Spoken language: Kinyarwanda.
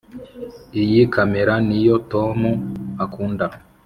iyi kamera niyo tom akunda.